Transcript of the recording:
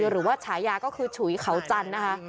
หรือว่าฉายาก็คือฉุยเขาจันทร์นะคะ